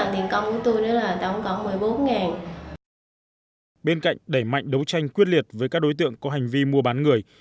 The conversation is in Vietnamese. bên cạnh đẩy mạnh đấu tranh quyết liệt với các đối tượng có hành vi mua bán người